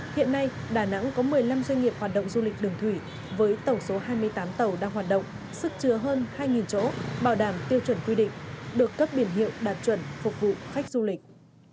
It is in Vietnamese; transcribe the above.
hiện nay đà nẵng có một mươi năm doanh nghiệp hoạt động du lịch đường thủy với tổng số hai mươi tám tàu đang hoạt động sức chứa hơn hai chỗ bảo đảm tiêu chuẩn quy định được cấp biển hiệu đạt chuẩn phục vụ khách du lịch